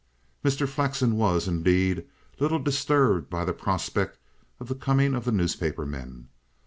Mr. Flexen was, indeed, little disturbed by the prospect of the coming of the newspaper men.